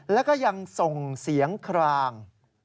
แล้วก็ยังส่งเสียงคลาง